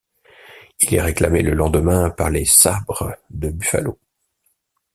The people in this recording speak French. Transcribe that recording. Il est réclamé le lendemain par les Sabres de Buffalo.